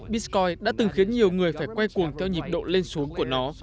bitcoin đã từng khiến nhiều người phải quay cuồng theo nhịp độ lên xuống của nó